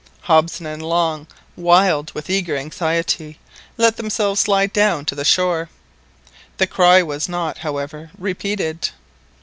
Hobson and Long, wild with eager anxiety, let themselves slide down to the shore. The cry was not, however, repeated.